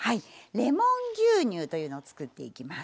レモン牛乳というのを作っていきます。